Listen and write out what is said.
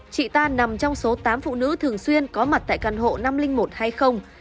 chị ta nằm trong số tám phụ nữ thường xuyên có mặt tại căn hộ năm trăm linh một hay không